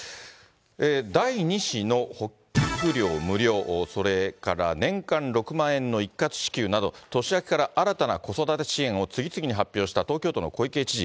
第２子の保育料無料、それから年間６万円の一括支給など、年明けから新たな子育て支援を次々に発表した東京都の小池知事。